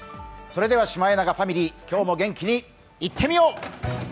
それではシマエナガファミリー、今日も元気にいってみよう！